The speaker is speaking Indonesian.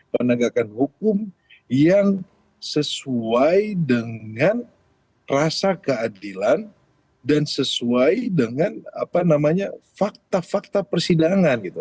penegakan hukum yang sesuai dengan rasa keadilan dan sesuai dengan fakta fakta persidangan gitu